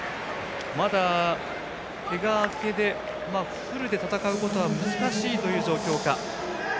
まだけが明けでフルで戦うことは難しいという状況か。